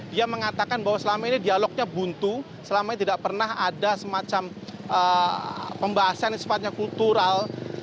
dia mengatakan bahwa selama ini dialognya buntu selama ini tidak pernah ada semacam pembahasan yang sifatnya kultural